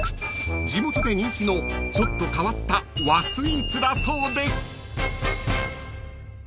［地元で人気のちょっと変わった和スイーツだそうです］